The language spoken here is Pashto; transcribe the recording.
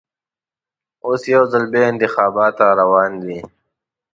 اوس یوځل بیا انتخابات راروان دي.